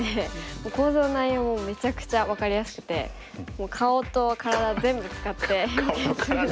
講座の内容もめちゃくちゃ分かりやすくて顔と体全部使って表現するのが。